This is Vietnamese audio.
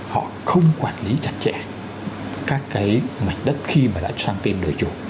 họ không quản lý chặt chẽ các cái mảnh đất khi mà đã sang tìm đối chủ